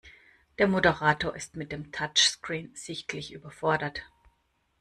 Der Moderator ist mit dem Touchscreen sichtlich überfordert.